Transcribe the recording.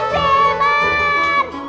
planetku namanya bumi